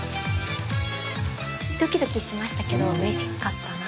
ドキドキしましたけどうれしかったな。